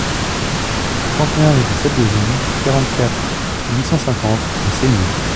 trente et un rue des Ceps de Vignes, quarante-quatre, huit cent cinquante au Cellier